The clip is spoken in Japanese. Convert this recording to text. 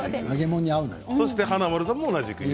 そして華丸さんも同じく。